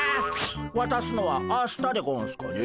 わたすのは明日でゴンスかね。